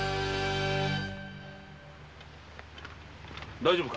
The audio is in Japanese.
大丈夫か？